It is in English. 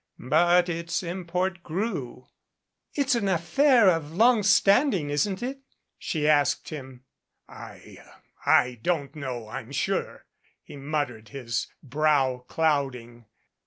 But its import grew. "It's an affair of long standing, isn't it?" she asked him. "I I don't know, I'm sure," he muttered, his brow clouding.